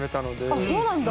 あっそうなんだ。